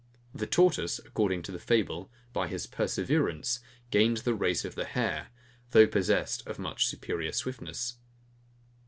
The tortoise, according to the fable, by his perseverance, gained the race of the hare, though possessed of much superior swiftness.